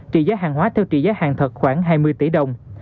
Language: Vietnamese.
trị giá hàng hóa theo trị giá hàng thật khoảng hai mươi tỷ đồng